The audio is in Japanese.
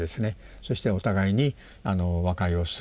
そしてお互いに和解をする。